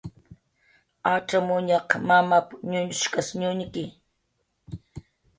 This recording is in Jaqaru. "Acxamuñaq mamap"" ñuñuchkas ñuñki"